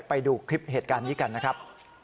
ไปดูคลิปเหตุการณ์นี้กันนะครับ